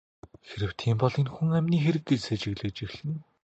Хэрэв тийм бол энэ хүн амины хэрэг гэж сэжиглэж эхэлнэ.